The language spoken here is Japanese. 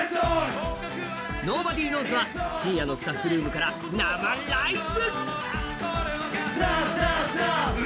ｎｏｂｏｄｙｋｎｏｗｓ＋は深夜のスタッフルームから生ライブ。